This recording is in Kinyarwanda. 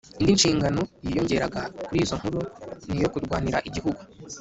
indi shingano yiyongeraga kuri izo nkuru ni iyo kurwanira igihugu